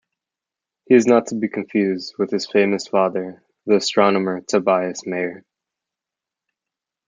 He is not to be confused with his famous father, the astronomer Tobias Mayer.